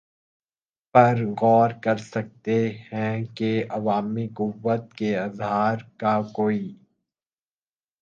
پر غور کر سکتے ہیں کہ عوامی قوت کے اظہار کا کوئی